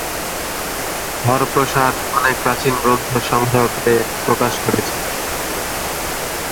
হরপ্রসাদ অনেক প্রাচীন গ্রন্থ সংগ্রহ করে প্রকাশ করেছিলেন।